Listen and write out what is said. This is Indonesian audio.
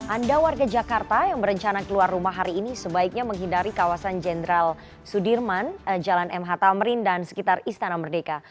anda warga jakarta yang berencana keluar rumah hari ini sebaiknya menghindari kawasan jenderal sudirman jalan mh tamrin dan sekitar istana merdeka